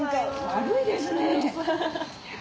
悪いですねいや。